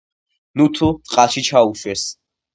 ნუთუ, წყალში ჩაუშვეს!